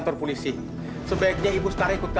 turun ya turun ya